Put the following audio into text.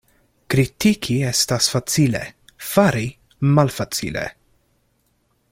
Kritiki estas facile, fari malfacile.